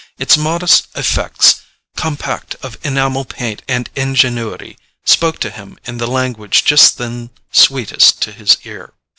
Its modest "effects," compact of enamel paint and ingenuity, spoke to him in the language just then sweetest to his ear.